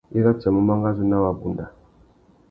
I ratiamú mangazú nà wabunda.